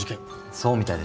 そうみたいですね。